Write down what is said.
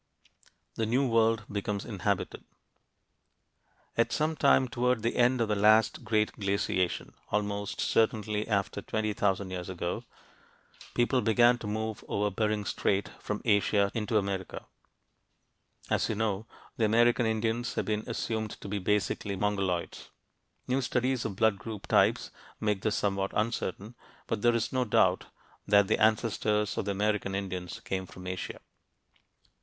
THE NEW WORLD BECOMES INHABITED At some time toward the end of the last great glaciation almost certainly after 20,000 years ago people began to move over Bering Strait, from Asia into America. As you know, the American Indians have been assumed to be basically Mongoloids. New studies of blood group types make this somewhat uncertain, but there is no doubt that the ancestors of the American Indians came from Asia.